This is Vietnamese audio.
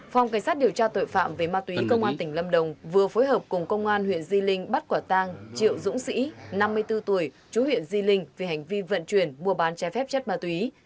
phòng cảnh sát điều tra tội phạm về ma túy công an tỉnh lâm đồng vừa phối hợp cùng công an huyện di linh bắt quả tang triệu dũng sĩ năm mươi bốn tuổi chú huyện di linh vì hành vi vận chuyển mua bán trái phép chất ma túy